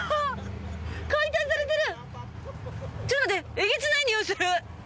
えげつない臭いする。